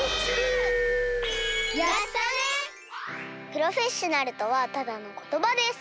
プロフェッショナルとはただのことばです！